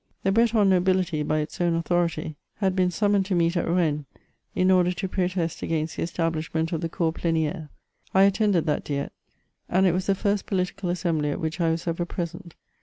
The Breton nobility, by its own authority, had been sum > CHATEAUBRIAND. 197 moned to meet at Rennes, in order to protest against the es tablishment of the cour pleniire. I attended that Diet ; and it was the first political assembly at which I was ever present.